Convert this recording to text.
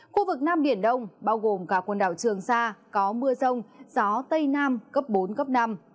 khu vực nam biển đông bao gồm cả quần đảo trường sa có mưa rông gió tây nam cấp bốn cấp năm